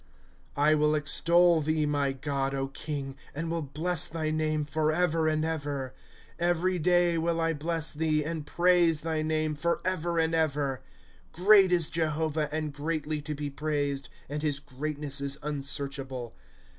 ^ I 'WILL extol thee my God, king, And will bless thy name forever and ever. ^ Every day will I bless thee, And praise thy name forever and ever. ^ Great is Jehovah, and greatly to be praised, And his greatness is unsearchable.